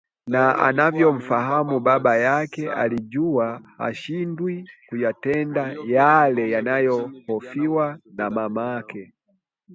Na anavyomfahamu babake, alijua hashindwi kuyatenda yale yanayohofiwa na mamake